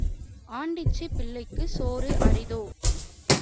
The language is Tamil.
ஆண்டிச்சி பிள்ளைக்குச் சோறு அரிதோ?